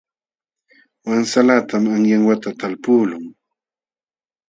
Wansalatam qanyan wata talpuqlun.